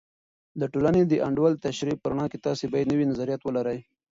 د ټولنې د انډول د تشریح په رڼا کې، تاسې باید نوي نظریات ولرئ.